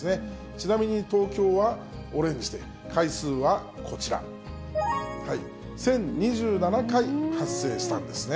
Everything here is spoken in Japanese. ちなみに東京はオレンジで、回数はこちら、１０２７回発生したんですね。